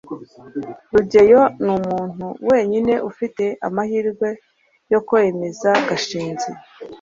rugeyo numuntu wenyine ufite amahirwe yo kwemeza gashinzi